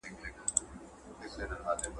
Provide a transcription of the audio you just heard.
دا پوښتنه له هغه اسانه ده!؟